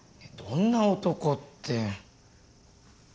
どんな男って。